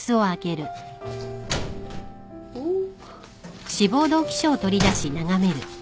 おっ。